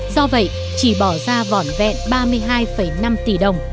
do vậy chỉ bỏ ra vỏn vẹn ba mươi hai năm tỷ đồng